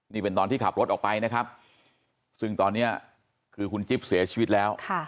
นี่เป็นตอนที่ขับรถออกไปนะครับซึ่งตอนนี้คือคุณจิ๊บเสียชีวิตแล้ว